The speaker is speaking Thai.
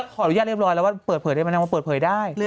ขออนุญาตเรียบร้อยแล้วว่าเปิดเผยได้ไหมนางมาเปิดเผยได้